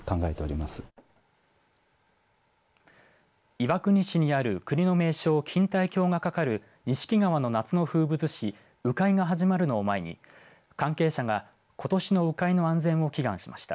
岩国市にある国の名勝錦帯橋がかかる錦川の夏の風物詩鵜飼いが始まるのを前に関係者が、ことしの鵜飼いの安全を祈願しました。